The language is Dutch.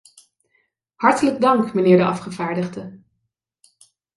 Hartelijk dank, mijnheer de afgevaardigde.